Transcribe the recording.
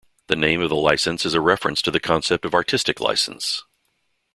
The name of the license is a reference to the concept of artistic license.